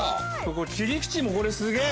これ切り口もこれすげえ！